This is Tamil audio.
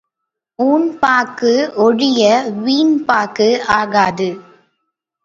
ஊண் பாக்கு ஒழிய வீண் பாக்கு ஆகாது.